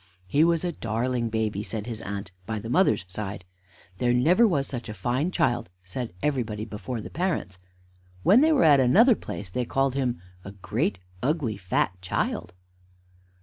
He was "a darling baby," said his aunt, by the mother's side; "there never was such a fine child," said everybody, before the parents; when they were at another place they called him, "a great, ugly fat child."